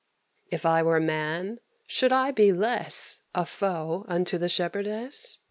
If I were man, should I be less A foe unto the shepherdess?